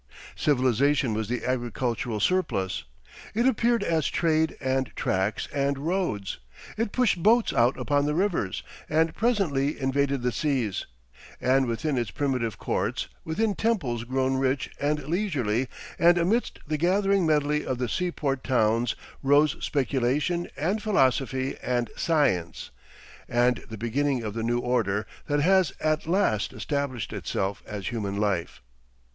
Civilisation was the agricultural surplus. It appeared as trade and tracks and roads, it pushed boats out upon the rivers and presently invaded the seas, and within its primitive courts, within temples grown rich and leisurely and amidst the gathering medley of the seaport towns rose speculation and philosophy and science, and the beginning of the new order that has at last established itself as human life.